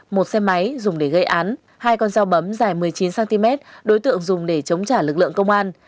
một xe máy dùng để gây án hai con dao bấm dài một mươi chín cm đối tượng dùng để chống trả lực lượng công an